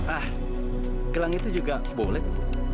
ah gelang itu juga boleh tuh